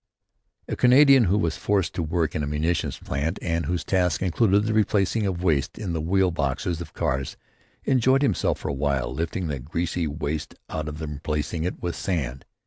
A Canadian who was forced to work in a munitions plant and whose task included the replacing of waste in the wheel boxes of cars enjoyed himself for a while, lifting the greasy waste out and replacing it with sand.